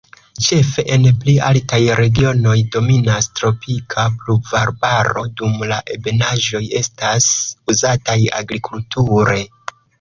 Ĉefe en pli altaj regionoj dominas tropika pluvarbaro, dum la ebenaĵoj estas uzataj agrikulture.